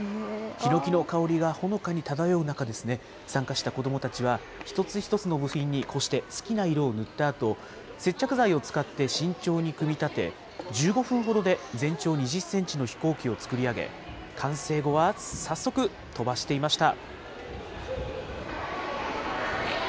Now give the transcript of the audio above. ひのきの香りがほのかに漂う中、参加した子どもたちは一つ一つの部品に、こうして好きな色を塗ったあと、接着剤を使って慎重に組み立て、１５分ほどで全長２０センチの飛行機を作り上げ、完成後は、早速飛ばしていました。